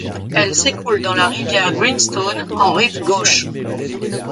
Elle s’écoule dans la rivière Greenstone en rive gauche.